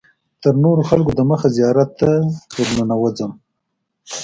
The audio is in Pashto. تر نورو خلکو دمخه زیارت ته ورننوتم.